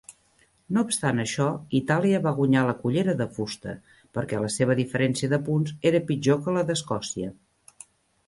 No obstant això, Itàlia va guanyar la cullera de fusta perquè la seva diferència de punts era pitjor que la d'Escòcia.